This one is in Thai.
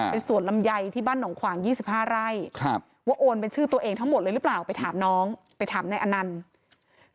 เป็นสวนลำไยที่บ้านหนองขวาง๒๕ไร่ว่าโอนเป็นชื่อตัวเองทั้งหมดเลยหรือเปล่าไปถามน้องไปถามนายอนันต์